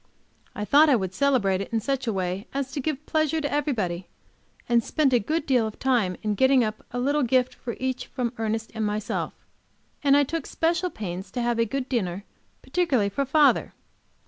I thought I would celebrate it in such a way as to give pleasure to everybody, and spent a good deal of time in getting up a little gift for each, from Ernest and myself. And I took special pains to have a good dinner, particularly for father.